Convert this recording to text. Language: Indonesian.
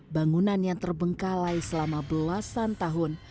bangunan yang terbengkalai selama belasan tahun